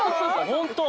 ホント。